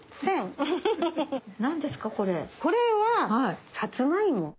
これはさつまいも。